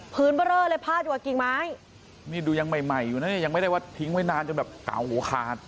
เพียงไม่ได้ทิ้งไว้นานจนกล้าขวชคาศ